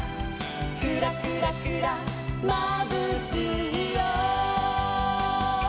「クラクラクラまぶしいよ」